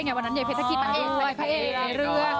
กับเพลงที่มีชื่อว่ากี่รอบก็ได้